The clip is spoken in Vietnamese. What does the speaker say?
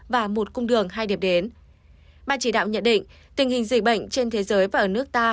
ba chỉ đạo nhận định tình hình dịch bệnh trên thế giới và ở nước ta